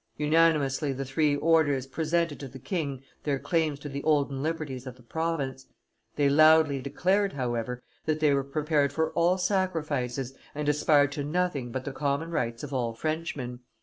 Unanimously the three orders presented to the king their claims to the olden liberties of the province; they loudly declared, however, that they were prepared for all sacrifices and aspired to nothing but the common rights of all Frenchmen.